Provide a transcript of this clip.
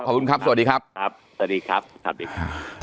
ขอบคุณครับสวัสดีครับครับสวัสดีครับสวัสดีครับ